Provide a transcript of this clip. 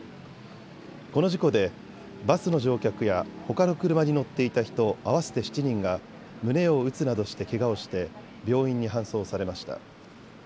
この事故でバスの乗客やほかの車に乗っていた人、合わせて７人が胸を打つなどしてけがをして病院に搬送されました。